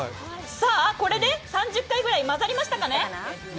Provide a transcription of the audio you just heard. さあ、これで３０回くらい混ざりましたかね？